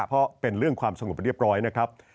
เพราะเป็นเรื่องความสงบเรียบร้อยนะครับ